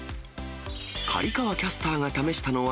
刈川キャスターが試したのは、